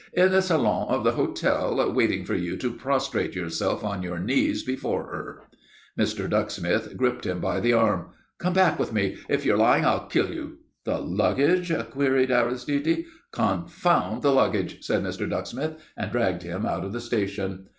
"In the salon of the hotel, waiting for you to prostrate yourself on your knees before her." Mr. Ducksmith gripped him by the arm. "Come back with me. If you're lying I'll kill you." "The luggage?" queried Aristide. "Confound the luggage!" said Mr. Ducksmith, and dragged him out of the station.